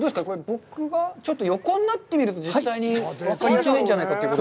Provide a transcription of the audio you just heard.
僕がちょっと横になってみると、実際に分かりやすいんじゃないかということで。